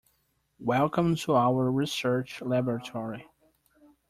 Welcome to our research Laboratory.